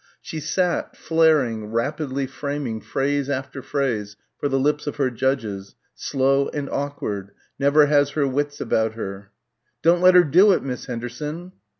She sat, flaring, rapidly framing phrase after phrase for the lips of her judges ... "slow and awkward" ... "never has her wits about her...." "Don't let her do it, Miss Henderson...."